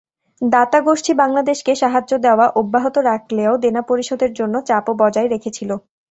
দাতাগোষ্ঠী বাংলাদেশকে সাহায্য দেওয়া অব্যাহত রাখলেও দেনা পরিশোধের জন্য চাপও বজায় রেখেছিল।